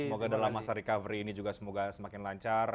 semoga dalam masa recovery ini semakin lancar